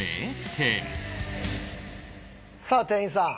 さあ店員さん